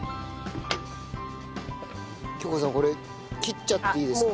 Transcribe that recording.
京子さんこれ切っちゃっていいですか？